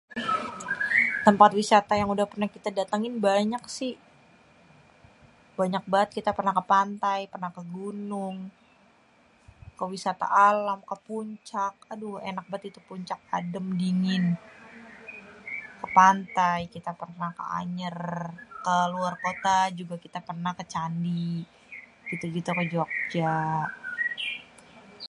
tempat wisata yang udah pernah kita datengin banyak si, banyak banget kita pernah kepantai , pernah kegunung, kewisata alam, kepuncak, aduh ènak banget itu puncak adem dingin ,kepantai kita perneh ke anyer keluar kota kite juga perneh kecandi, gitu-gitu ke jogja.